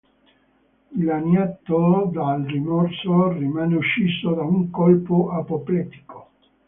Dilaniato dal rimorso, rimane ucciso da un colpo apoplettico.